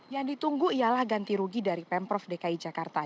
yang ditunggu ialah ganti rugi dari pemprov dki jakarta